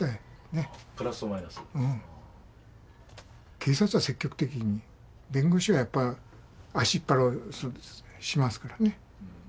警察は積極的に弁護士はやっぱ足引っ張ろうとしますからね。